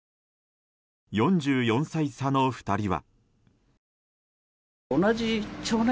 ４４歳差の２人は。